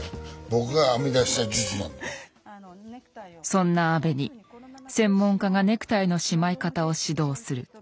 そんな安部に専門家がネクタイのしまい方を指導する。